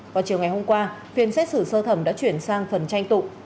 vào chiều ngày hôm qua phiên xét xử sơ thẩm đã chuyển sang phần tranh tụ